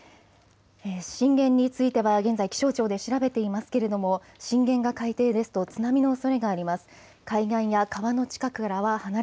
震源については現在、気象庁で調べていますけれども震源が海底ですと津波のおそれがあります。